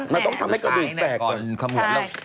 มันต้องทำให้กระดูกแตกก่อนข้ำเหมือบแล้ว